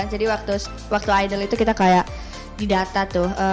jadi waktu idol itu kita kayak didata tuh